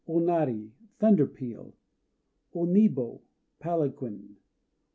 O Nari "Thunder peal." O Nibo "Palanquin"